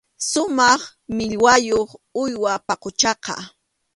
Sumaq millwayuq uywam paquchaqa.